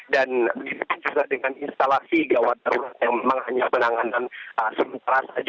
dan dipercaya dengan instalasi gawat gawat yang memang hanya penanganan sementara saja